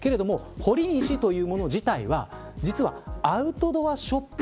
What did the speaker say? けれどもほりにし、というもの自体は実はアウトドアショップ